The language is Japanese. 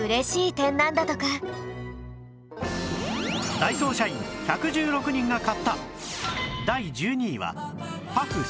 ダイソー社員１１６人が買った